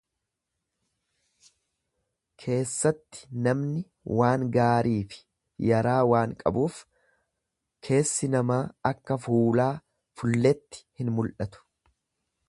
Keessatti namni waan gaariifi yaraa waan qabuuf keessi namaa akka fuulaa fulleetti hin muldhatu.